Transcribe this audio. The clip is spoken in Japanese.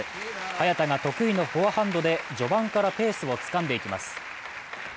早田が得意のフォアハンドで序盤からペースをつかんでいきます。